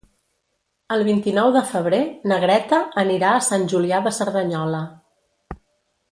El vint-i-nou de febrer na Greta anirà a Sant Julià de Cerdanyola.